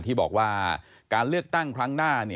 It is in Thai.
ที่บอกว่าการเลือกตั้งครั้งหน้า